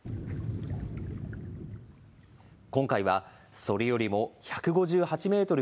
今回はそれよりも１５８メートル